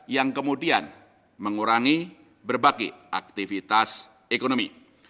yang kemudian mengurangi berbagai aktivitas ekonomi